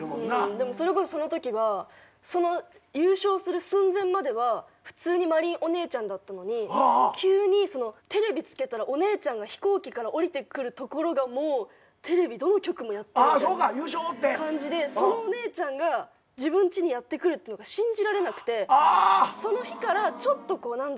でもそれこそそのときは優勝する寸前までは普通に真凜お姉ちゃんだったのに急にテレビつけたらお姉ちゃんが飛行機から降りてくるところがもうテレビどの局もやってるみたいな感じでそのお姉ちゃんが自分ちにやって来るっていうのが信じられなくてその日からちょっとこう何だろう。